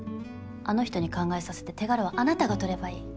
あの人に考えさせて手柄はあなたが取ればいい。